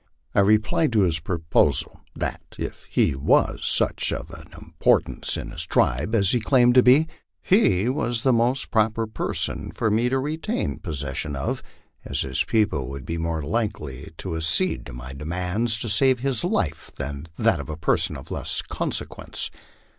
I replied to his proposal, that if he was of such importance in his tribe as he claimed to be, he was the most proper person for me to retain possession of, as his people would be more likely to accede to my demands to save his life than that of a person of less consequence.